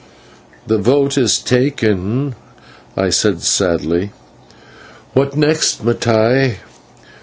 "The vote is taken," I said sadly. "What next, Mattai?"